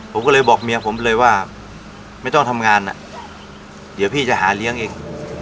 ผมก็เลยบอกเมียผมเลยว่าไม่ต้องทำงานอ่ะเดี๋ยวพี่จะหาเลี้ยงเอง